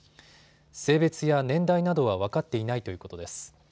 性別や年代などは分かっていないということです。